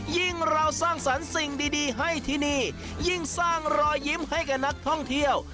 ยิ่งเราสร้างสรรค์สิ่งดีให้ที่นี่ยิ่งสร้างรอยยิ้มให้กับนักท่องเที่ยว